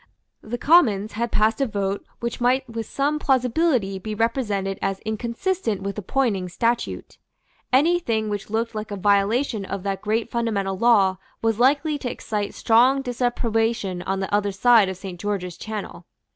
The Commons had passed a vote which might with some plausibility be represented as inconsistent with the Poynings statute. Any thing which looked like a violation of that great fundamental law was likely to excite strong disapprobation on the other side of Saint George's Channel.